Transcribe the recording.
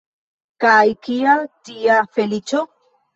Kaj kia tia feliĉo?